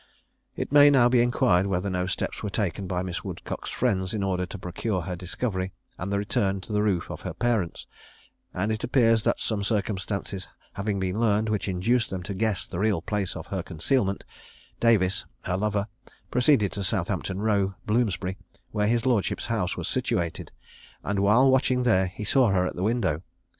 It may now be inquired whether no steps were taken by Miss Woodcock's friends in order to procure her discovery, and her return to the roof of her parents; and it appears that some circumstances having been learned which induced them to guess the real place of her concealment, Davis, her lover, proceeded to Southampton row, Bloomsbury, where his lordship's house was situated, and while watching there saw her at the window.